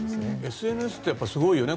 ＳＮＳってやっぱりすごいよね。